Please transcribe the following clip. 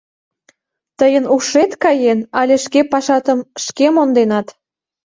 — Тыйын ушет каен але шке пашатым шке монденат...